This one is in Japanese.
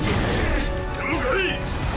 了解！